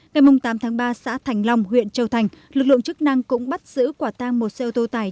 ngày tám tháng ba xã thành long huyện châu thành lực lượng chức năng cũng bắt giữ quả tăng một xe ô tô tải